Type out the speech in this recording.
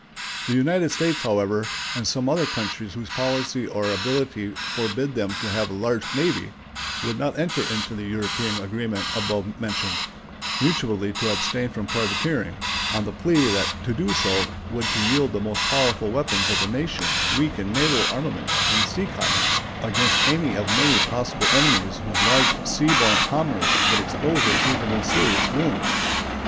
The United States, however, and some other countries whose policy or ability forbid them to have a large navy, would not enter into the European agreement above mentioned, mutually to abstain from privateering, on the plea that to do so would be to yield the most powerful weapon of a nation weak in naval armament and sea commerce, against any of many possible enemies whose large sea borne commerce would expose it to the most serious wounds.